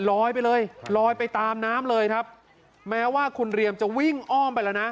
ลอยไปเลยลอยไปตามน้ำเลยครับแม้ว่าคุณเรียมจะวิ่งอ้อมไปแล้วนะ